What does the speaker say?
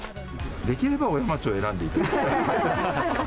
できれば小山町を選んでいただきたい。